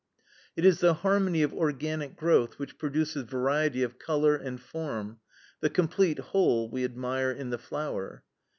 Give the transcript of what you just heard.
"It is the harmony of organic growth which produces variety of color and form, the complete whole we admire in the flower.